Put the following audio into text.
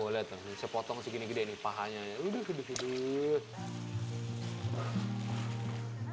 lihat sepotong segini gede nih pahanya